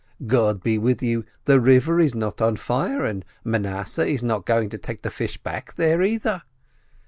God be with you, the river is not on fire, and Manasseh is not going to take the fish back there, either.